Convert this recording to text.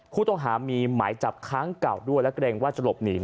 ผู้ต้องหามีหมายจับครั้งเก่าด้วยและเกรงว่าจะหลบหนี